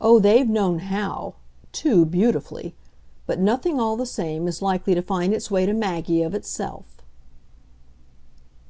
Oh, they've known HOW too beautifully! But nothing, all the same, is likely to find its way to Maggie of itself."